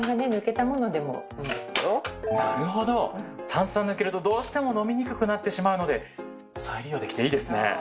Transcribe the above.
炭酸抜けるとどうしても飲みにくくなってしまうので再利用できていいですね。